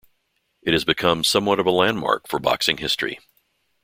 It has become somewhat of a landmark for boxing history.